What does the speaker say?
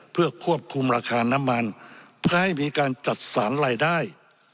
เพื่อควบคุมราคาน้ำมันเพื่อให้มีการจัดสรรรายได้